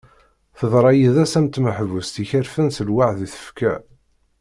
Teḍra yid-s am tmeḥbust ikerfen s lweɛd i tefka.